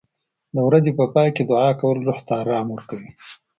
د ورځې په پای کې دعا کول روح ته آرام ورکوي.